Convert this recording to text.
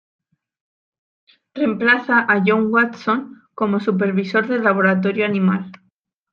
Remplaza a John Watson como supervisor del laboratorio animal.